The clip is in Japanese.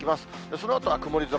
そのあとは曇り空。